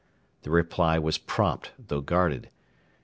The reply was prompt, though guarded.